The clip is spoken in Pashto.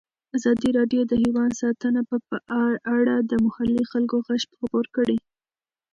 ازادي راډیو د حیوان ساتنه په اړه د محلي خلکو غږ خپور کړی.